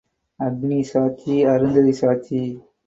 அக்கினி சாட்சி, அருந்ததி சாட்சி.